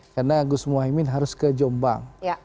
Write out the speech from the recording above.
karena gus mohaimin harus ke jombang